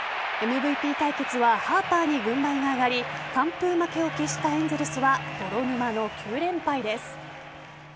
ＭＶＰ対決はハーパーに軍配が上がり完封負けを喫したエンゼルスは泥沼の９連敗です。